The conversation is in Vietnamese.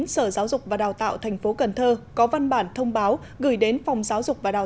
sở giáo dục và đào tạo thành phố cần thơ có văn bản thông báo gửi đến phòng giáo dục và đào